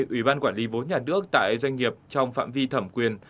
ủy ban quản lý vốn nhà nước tại doanh nghiệp trong phạm vi thẩm quyền